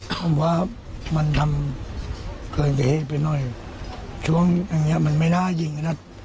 ผมว่ามันทำเคยเกษตรไปหน่อยช่วงอย่างเงี้ยมันไม่น่าหยิงนะ